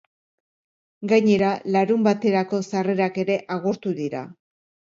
Gainera, larunbaterako sarrerak ere agortu dira.